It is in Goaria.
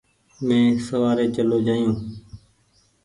مينٚ سوآري چلو جآيو